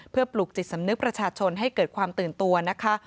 เพื่อปลุกจิตสำนึกประชาชนให้เกิดความตื่นตัวนะคะ